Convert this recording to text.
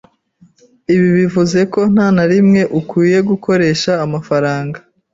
Ibi bivuze ko nta na rimwe ukwiye gukoresha amafaranga